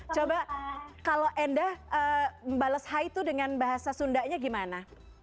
coba kalau enda bales hai itu dengan bahasa sundanya gimana